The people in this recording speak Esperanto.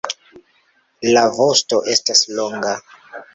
La vosto estas longa.